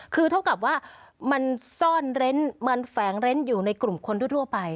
คือเท่ากับว่ามันซ่อนเร้นมันแฝงเร้นอยู่ในกลุ่มคนทั่วไป